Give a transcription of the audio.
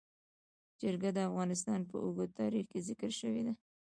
چرګان د افغانستان په اوږده تاریخ کې ذکر شوی دی.